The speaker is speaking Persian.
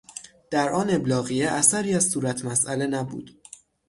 در آن ابلاغیه اثری از صورت مساله نبود